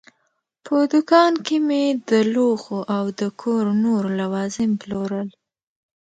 په دوکان کې مې د لوښو او د کور نور لوازم پلورل.